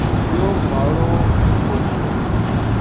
یوہ ماڑو اُت پوہچیو